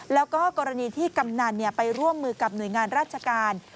แล้วก็กรณีที่กำนันไปร่วมมือกับหน่วยงานราชการ